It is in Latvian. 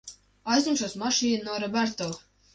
Aizņemšos mašīnu no Roberto.